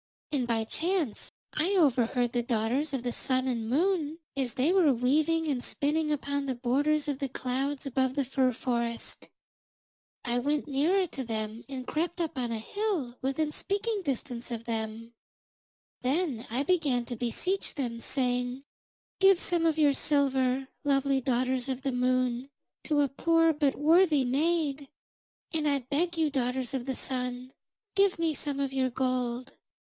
And by chance I overheard the daughters of the Sun and Moon as they were weaving and spinning upon the borders of the clouds above the fir forest. I went nearer to them, and crept up on a hill within speaking distance of them. Then I began to beseech them, saying: "Give some of your silver, lovely daughters of the Moon, to a poor but worthy maid; and I beg you, daughters of the Sun, give me some of your gold."